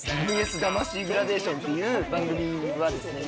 「ＶＳ魂グラデーション」っていう番組はですね